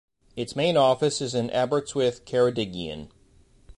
Its main office is in Aberystwyth, Ceredigion.